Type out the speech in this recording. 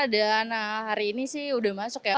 dan hari ini sudah masuk